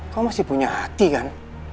kau masih punya hati kan